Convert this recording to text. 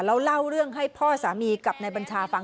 แล้วเล่าเรื่องให้พ่อสามีกับนายบัญชาฟัง